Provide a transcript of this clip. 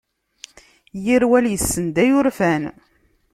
Yir wal issenday urfan.